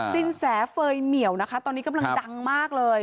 สินแสเฟย์เหมียวนะคะตอนนี้กำลังดังมากเลย